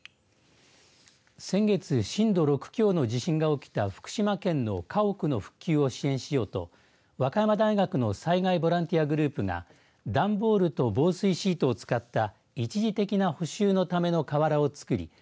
先月、震度６強の地震が起きた福島県の家屋の復旧を支援しようと和歌山大学の災害ボランティアグループが段ボールと防水シートを使った一時的な補修のための瓦を作り